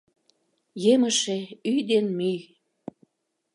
Емыжше — ӱй ден мӱй!